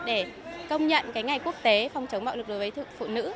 để công nhận ngày quốc tế phòng chống bạo lực đối với phụ nữ